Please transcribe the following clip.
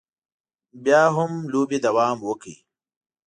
بیا هم لوبې دوام وکړ.